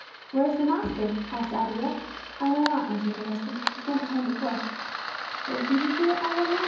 "Where is the Master?" asked Abigail. "I know not," answered her husband. "He sent us on before." "Will He be here, I wonder?"